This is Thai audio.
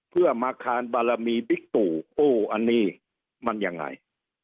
เพื่อมาคานบารมีบิ๊กตู่โอ้อันนี้มันยังไง